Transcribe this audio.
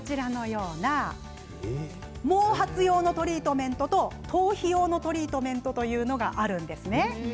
毛髪用のトリートメントと頭皮用のトリートメントというのがあるんです。